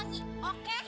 rasain ya rasain ya